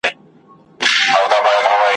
د درمل په نوم یې راکړ دا چي زهر نوشومه ,